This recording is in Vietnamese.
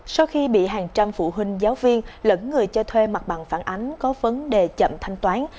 sau khi bị hàng trăm phụ huynh giáo viên lẫn người cho thuê mặt bằng phản ánh có vấn đề chậm thanh toán